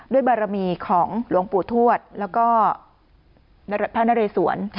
บารมีของหลวงปู่ทวดแล้วก็พระนเรสวน